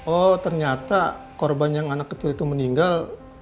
oh ternyata korban yang anak kecil itu meninggal